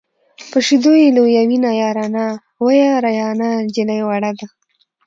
په شیدو یې لویوینه یاره نا وه یاره نا نجلۍ وړه ده.